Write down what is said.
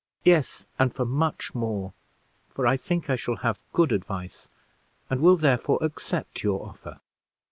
"Yes, and for much more; for I think I shall have good advice, and will therefore accept your offer.